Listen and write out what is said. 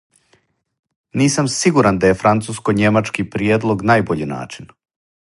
Нисам сигуран да је француско-њемачки приједлог најбољи начин.